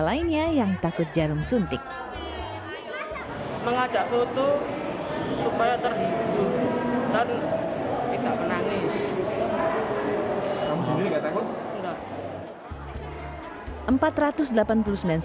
lainnya yang takut jarum suntik mengajak foto supaya terhitung dan kita menangis